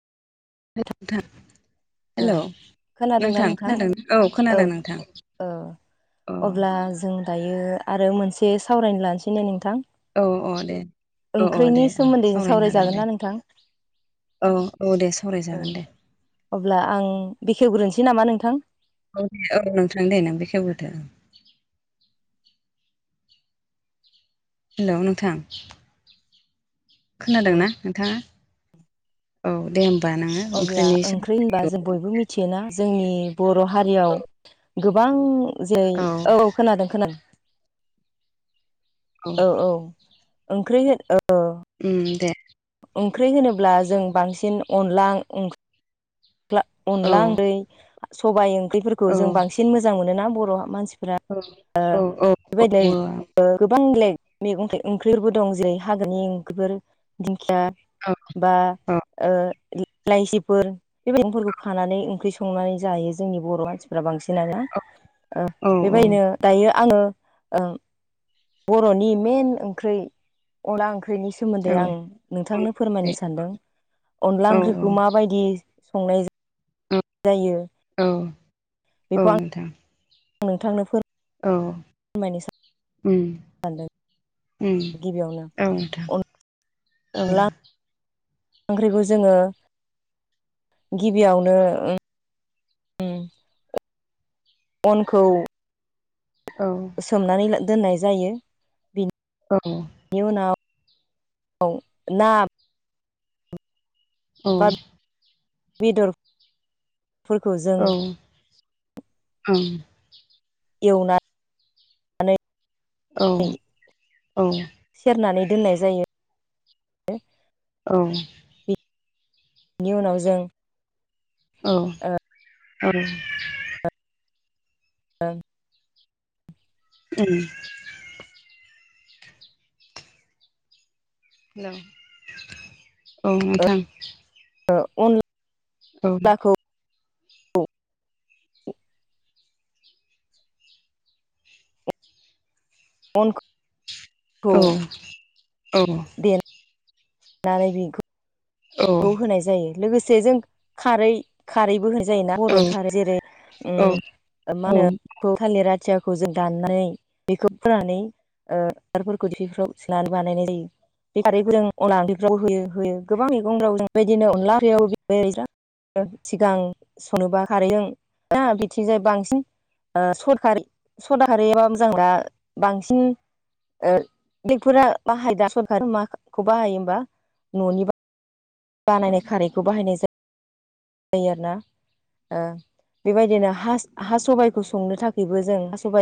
नोंथां ओ हेलौ' खोनादोंना नोंथां खोनादों औ खोनादों नोंथां। ओ अ अब्ला जों दायो आरो मोनसे सावरायनो लानोसै ने नोंथां? औ औ दे औ औ ओंख्रिनि दे औ सोमोन्दै जों सावरायनो हागोन सावरायजागोन दे। ना नोंथां औ औ दे औ सावरायजागोन दे अब्ला आं बेखेवग्रोनोसै नामा नोंथां औ दे औ नोंथां दे नों बेखेवग्रोदो हेल' नोंथां उम खोनादोंना नोंथाङा? औ दे होमबा नोङो अब्ला ओंख्रिनि सोमो [unintelligible] होनबा जों बयबो मिथियोना जोंनि बर' हारियाव गोबां जेरै औ खोनादों-खोनादों औ औ ओंख्रि ओ उम दे ओंख्रि होनोब्ला जों बांसिन अनला ओं ख्ला औ अनला [unintelligible] सबाइ ओंख्रिफोरखौ औ जों बांसिन मोजां मोनोना बर' मानसि औ औ औ [unintelligible] ओ गोबां बेलेग मैगं थाइ ओंख्रिबो दं जेरै हाग्रानि ओंख्रिफोर दिंखिया औ बा ओ [unintelligible] लाइसिफोर [unintelligible] खानानै ओंख्रि संनानै जायो जोंनि बर' मानसि फोरा बांसिनानोना ओ औ बेबायदिनो दायो आङो ओं बर'नि मेन ओंख्रै अनला ओंख्रैनिस सोमोन्दै आं नोंथांनो फोरमायनो सानदों अनला ओंख्रिखौ माबायदि संनाय [unintelligible] जायो औ औ बेखौ आं नोंथां नोंथांनो फोर औ उम सानदों उम गिबियावनो औ थां औ अनला ओंख्रिखौ जोङो गिबियावनो [unintelligible] अनखौ औ सोमनानै ला दोननाय जायो बि औ नि उनाव औ ना औ बा बिदर औ ओं एवना औ [unintelligible] सेरनानै दोननाय जायो। औ नि उनाव जों औ ओ औ ओं उम हेल' औ नोंथां ओ अन औ अनखौ औ औ दे नानै औ बेखौ होनाय जायो लोगोसे जों खारै- खारैबो होनाय जायोना बर'नि औ खारो जेरै उम औ ओ मा औ होनो [unintelligible] थालिर राथियाखौ जों दाननानै बेखौ फोनानै ओ थारफोरखौ दिफिफ्राव सोनानै बानायनाय जायो। बे खारैखौ जों अनला ओख्रिफ्रावबो होयो होयो गोबां मैगंफोराव जों बेदिनो अनदला यावबो सिगां संनोबा खारैजों ना बिथिंजाय बांसिन [unintelligible] मोजां दा बांसिन ओ बेक्टरा बाहायदा सरखार माखौ बाहायो होमबा न'नि बा बानायनाय खारैखौ बाहायनाय जायो। जायो आरोना बेबायदिनो हा सबाइखौ संनो थाखायबो जों सबाइ